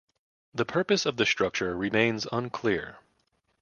The purpose of the structure remains unclear.